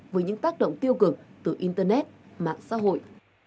với những tác động tiêu cực từ internet mạng xã hội